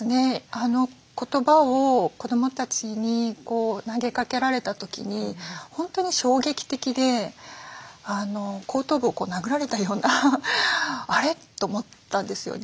あの言葉を子どもたちに投げかけれられた時に本当に衝撃的で後頭部を殴られたようなあれ？と思ったんですよね。